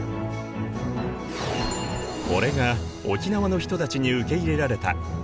これが沖縄の人たちに受け入れられた。